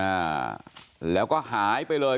อ่าแล้วก็หายไปเลย